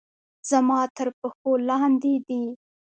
زما تر پښو لاندې دي